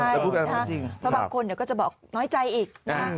เพราะบางคนเดี๋ยวก็จะบอกน้อยใจอีก